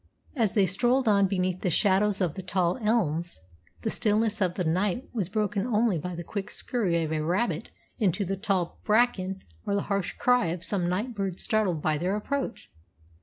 As they strolled on beneath the shadows of the tall elms, the stillness of the night was broken only by the quick scurry of a rabbit into the tall bracken or the harsh cry of some night bird startled by their approach.